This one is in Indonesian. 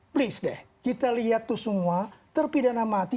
please deh kita lihat tuh semua terpidana mati